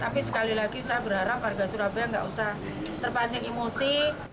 tapi sekali lagi saya berharap warga surabaya tidak usah terpancing emosi